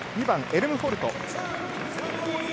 ２番、エルムホルト。